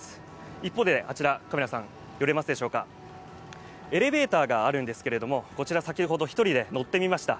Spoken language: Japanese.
一方で、あちら、エレベーターがあるんですけれどもこちら先ほど、１人で乗ってみました。